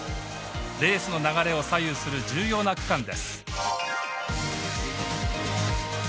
レースの流れを左右する重要な区間です。